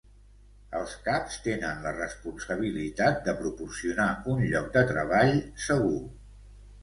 Els caps tenen la responsabilitat de proporcionar un lloc de treball segur.